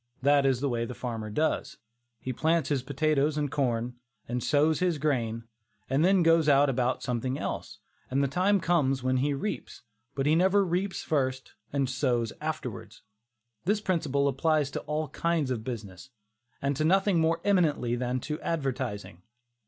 That is the way the farmer does; he plants his potatoes and corn, and sows his grain, and then goes about something else, and the time comes when he reaps. But he never reaps first and sows afterwards. This principle applies to all kinds of business, and to nothing more eminently than to advertising.